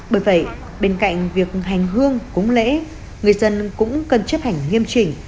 bởi vậy bên cạnh việc hành hương cúng lễ người dân cũng cần chấp hành nghiêm chỉnh